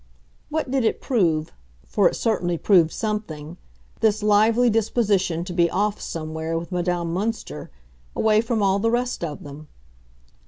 What did it prove—for it certainly proved something—this lively disposition to be "off" somewhere with Madame Münster, away from all the rest of them?